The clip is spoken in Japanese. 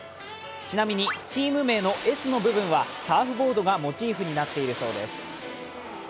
ちなみにチーム名のＳの部分はサーフボードがモチーフになっているそうです。